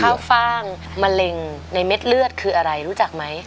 ข้าวฟ่างมะเร็งในเม็ดเลือดคืออะไรรู้จักไหม